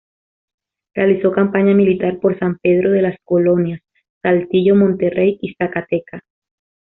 Realizó campaña militar por San Pedro de las Colonias, Saltillo, Monterrey y Zacatecas.